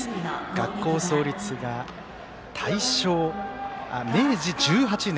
学校創立が明治１８年。